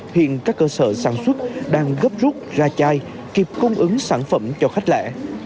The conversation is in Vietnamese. hiện các cơ sở sản xuất đang gấp rút ra chai kịp cung ứng sản phẩm cho khách lẻ